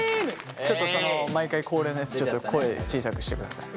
ちょっとその毎回恒例のやつちょっと声小さくしてください。